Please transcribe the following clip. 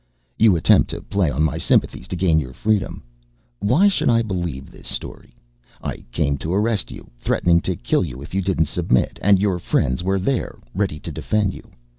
"You attempt to play on my sympathies to gain your freedom. Why should I believe this story? I came to arrest you, threatening to kill you if you didn't submit, and your friends were there ready to defend you.